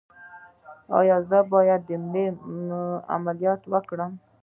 ایا زه باید د ملا عملیات وکړم؟